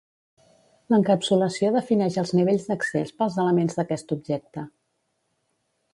L'encapsulació defineix els nivells d'accés pels elements d'aquest objecte.